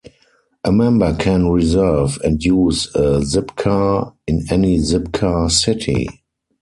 A member can reserve and use a Zipcar in any Zipcar city.